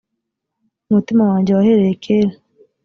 umutima wanjye wahereye kera